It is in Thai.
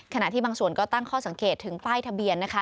ขณะที่บางส่วนก็ตั้งข้อสังเกตถึงป้ายทะเบียนนะคะ